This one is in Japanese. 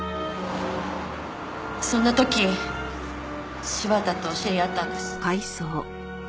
そんな時柴田と知り合ったんです。